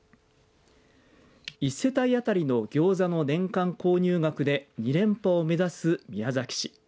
１世帯当たりのギョーザの年間購入額で２連覇を目指す宮崎市。